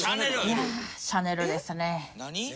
いやシャネルですね。